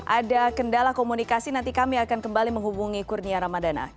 ada kendala komunikasi nanti kami akan kembali menghubungi kurnia ramadana